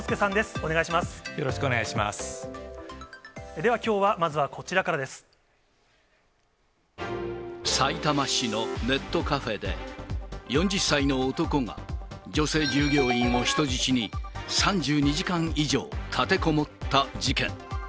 では、きょうはまずはこちらさいたま市のネットカフェで、４０歳の男が女性従業員を人質に、３２時間以上立てこもった事件。